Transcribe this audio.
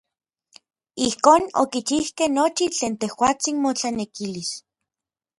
Ijkon okichijkej nochi tlen tejuatsin motlanekilis.